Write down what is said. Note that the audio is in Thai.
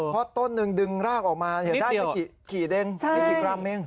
เพราะต้นหนึ่งดึงรากออกมาได้นิดกี่กรัมเอง